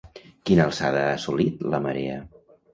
Quina alçada ha assolit, la marea?